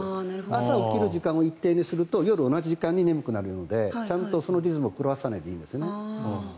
朝起きる時間を一定にすると夜同じ時間に眠くなるのでちゃんとそのリズムを狂わさないでいいんですね。